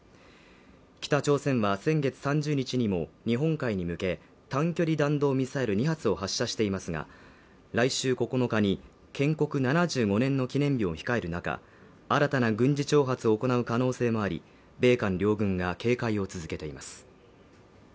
北朝鮮は先月３０日にも日本海に向け短距離弾道ミサイル２発を発射していますが来週９日に建国７５年の記念日を控える中新たな軍事挑発を行う可能性もあり米韓両軍が警戒を続けています